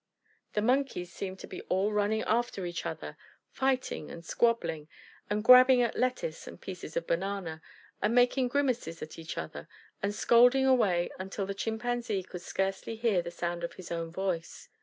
The Monkeys seemed to be all running after each other, fighting and squabbling, and grabbing at lettuce and pieces of banana, and making grimaces at each other, and scolding away until the Chimpanzee could scarcely hear the sound of its own voice.